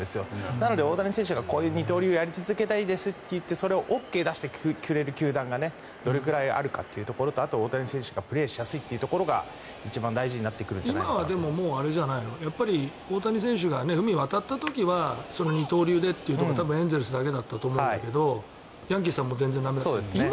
なので、大谷選手がこういう二刀流をやり続けたいですと言ってそれをＯＫを出してくれる球団がどれくらいあるかというところとあと、大谷選手がプレーしやすいというところが一番大事に今はもうあれじゃないの大谷選手が海を渡った時は二刀流でと言った時多分エンゼルスだけだったと思うけどヤンキースは全然駄目だったけど。